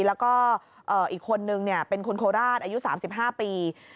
แล้วก็อีกคนนึงเป็นคนโคราชอายุ๓๕ปี